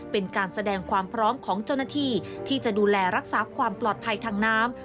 เป็นการแสดงความพร้อมของเจ้าหน้าที่ที่จะดูแลรักษาความปลอดภัยทางน้ำ